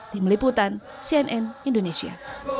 tim liputan cnn indonesia